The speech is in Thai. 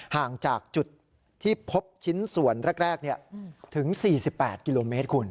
ห่างจากจุดที่พบชิ้นส่วนแรกถึง๔๘กิโลเมตรคุณ